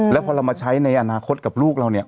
แล้วพอเรามาใช้ในอนาคตกับลูกเราเนี่ย